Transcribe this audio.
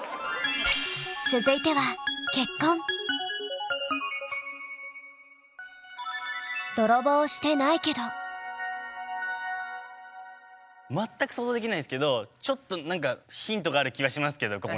続いては全く想像できないですけどちょっとヒントがある気がしますけどここに。